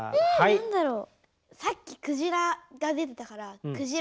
何だろう？